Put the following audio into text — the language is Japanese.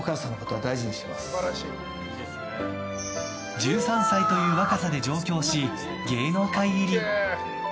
１３歳という若さで上京し芸能界入り。